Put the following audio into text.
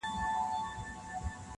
پرېږده چي نشه یم له خمار سره مي نه لګي-